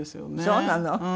そうなの？